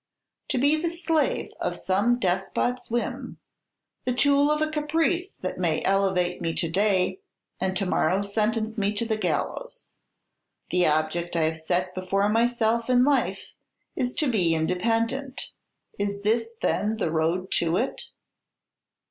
"To be the slave of some despot's whim, the tool of a caprice that may elevate me to day, and to morrow sentence me to the gallows. The object I have set before myself in life is to be independent. Is this, then, the road to it?"